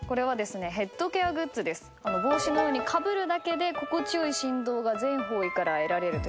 帽子のようにかぶるだけで心地よい振動が全方位から得られるということで。